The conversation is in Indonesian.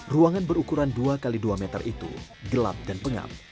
ruangan berukuran dua x dua meter itu gelap dan pengap